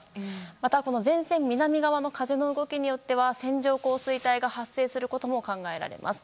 また、この前線南側の風の動きによっては線状降水帯が発生することも考えられます。